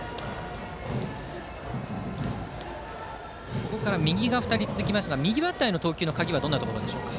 ここから右が２人続きますが右バッターへの投球の鍵はどんなところですか。